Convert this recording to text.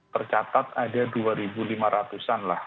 tercatat ada dua lima ratus an lah